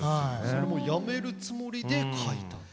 それもうやめるつもりで書いたんだ？